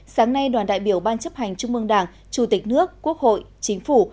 sáng nay đoàn đại biểu ban chấp hành trung mương đảng chủ tịch nước quốc hội chính phủ